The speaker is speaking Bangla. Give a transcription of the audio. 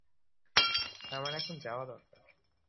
আমাদের এখন যাওয়া দরকার।